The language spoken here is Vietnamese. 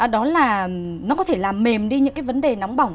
đó là nó có thể làm mềm đi những cái vấn đề nóng bỏng